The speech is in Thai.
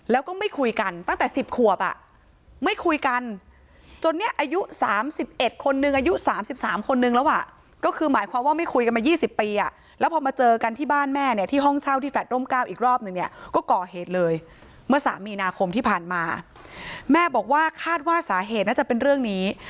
แล้วก็เคยเอาม่อตีหัวน้อง